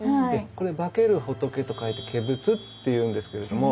これ化ける仏と書いて「化仏」って言うんですけれども。